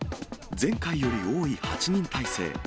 前回より多い８人態勢。